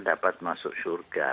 dapat masuk syurga